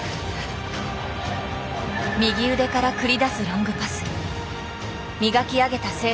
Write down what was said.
右腕から繰り出すロングパス。